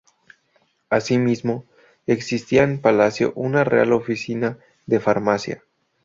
Asimismo existía en Palacio una Real Oficina de Farmacia.